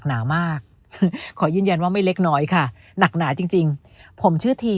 หนามากขอยืนยันว่าไม่เล็กน้อยค่ะหนักหนาจริงจริงผมชื่อที